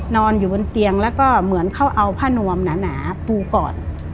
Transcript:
นอนอยู่บนเตียงแล้วก็เหมือนเขาเอาผ้านวมหนาปูก่อน